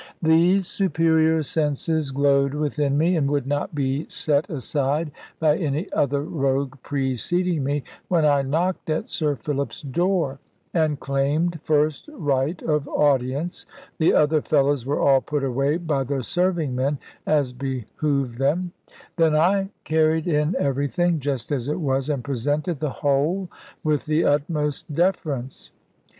These superior senses glowed within me, and would not be set aside by any other rogue preceding me, when I knocked at Sir Philip's door, and claimed first right of audience. The other fellows were all put away by the serving men, as behoved them; then I carried in everything, just as it was, and presented the whole with the utmost deference.